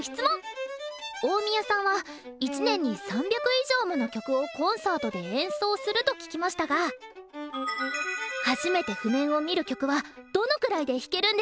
大宮さんは一年に３００以上もの曲をコンサートで演奏すると聞きましたが初めて譜面を見る曲はどのくらいで弾けるんですか？